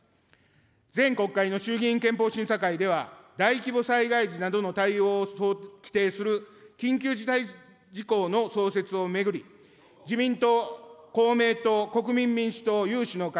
前国会の衆議院憲法審査会では、大規模災害時などの対応を規定する、緊急事態の創設を巡り、自民党、公明党、国民民主党、有志の会、